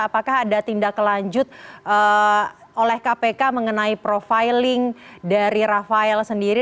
apakah ada tindak lanjut oleh kpk mengenai profiling dari rafael sendiri